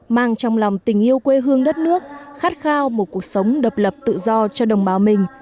mang trong lòng tình yêu quê hương đất nước khát khao một cuộc sống độc lập tự do cho đồng bào mình